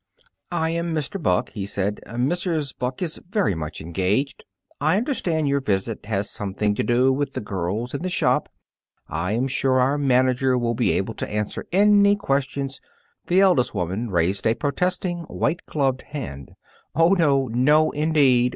"I am Mr. Buck," he said. "Mrs. Buck is very much engaged. I understand your visit has something to do with the girls in the shop. I'm sure our manager will be able to answer any questions " The eldest women raised a protesting, white gloved hand. "Oh, no no, indeed!